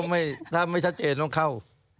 อันนี้ถ้าไม่ชัดเจนต้องเข้า